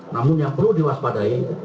namun yang perlu diwaspadai